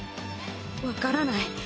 分からない。